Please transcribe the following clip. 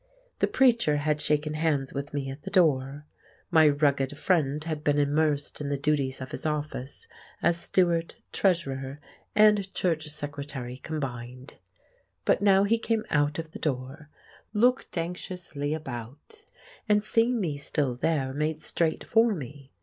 The preacher had shaken hands with me at the door; my rugged friend had been immersed in the duties of his office as steward, treasurer, and church secretary combined. But now he came out of the door, looked anxiously about, and seeing me still there, made straight for me.